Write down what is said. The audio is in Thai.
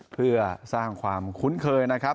เพื่อสร้างความคุ้นเคย